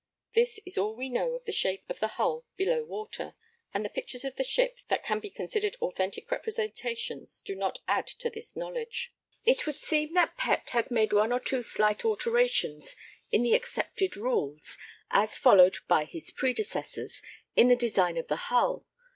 This is all we know of the shape of the hull below water, and the pictures of the ship that can be considered authentic representations do not add to this knowledge. It would seem that Pett had made one or two slight alterations in the accepted rules, as followed by his predecessors, in the design of the hull.